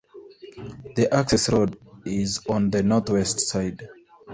The access road is on the northwest side.